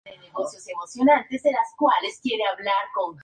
Fue asesor del bloque de diputados nacionales de la Unión Cívica Radical.